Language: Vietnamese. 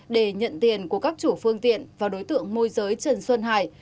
để nhận tiền của các chủ phương tiện và đối tượng môi giới trần xuân hải